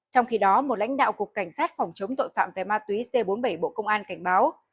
trong khi đó một lãnh đạo cục cảnh sát phòng chống tội phạm về ma túy c bốn mươi bảy bộ công an cảnh báo